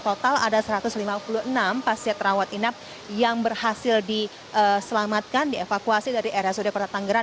total ada satu ratus lima puluh enam pasien rawat inap yang berhasil diselamatkan dievakuasi dari rsud kota tanggerang